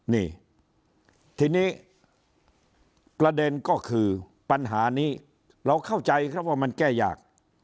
นี่ทีนี้ประเด็นก็คือปัญหานี้เราเข้าใจครับว่ามันแก้ยาก